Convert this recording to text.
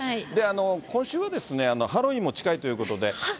今週はハロウィーンも近いということで。